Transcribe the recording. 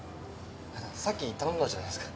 だからさっき頼んだじゃないですか。